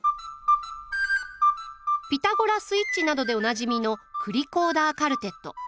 「ピタゴラスイッチ」などでおなじみの栗コーダーカルテット。